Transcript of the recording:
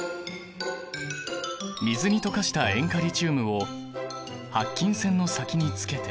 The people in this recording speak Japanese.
水に溶かした塩化リチウムを白金線の先につけて。